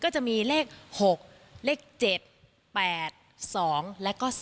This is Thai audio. จะมีเลข๖เลข๗๘๒แล้วก็๓